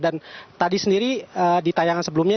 dan tadi sendiri di tayangan sebelumnya